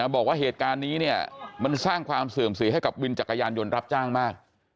บอกว่าเหตุการณ์นี้เนี่ยมันสร้างความเสื่อมเสียให้กับวินจักรยานยนต์รับจ้างมาก